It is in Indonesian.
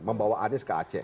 membawa anis ke aceh